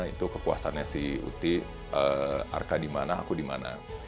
itu kepuasannya si uti arka di mana aku di mana